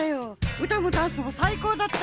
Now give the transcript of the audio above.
うたもダンスもさいこうだった。